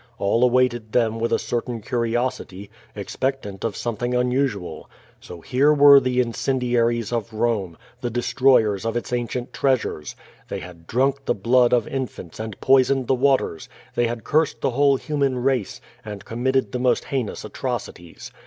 All awaited them with a certain curiosity, expectant of something unusual. So here were the incendiaries of Home, the destroyers of its ancient treasures! They had drunk the blood of infants and poisoned the waters, they had cursed the whole human race, and committed the most heinous atrocities.